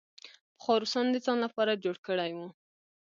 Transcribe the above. پخوا روسانو د ځان لپاره جوړ کړی وو.